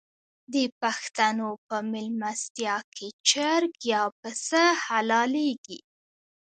د پښتنو په میلمستیا کې چرګ یا پسه حلاليږي.